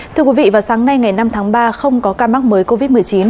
thưa quý vị vào sáng nay ngày năm tháng ba không có ca mắc mới covid một mươi chín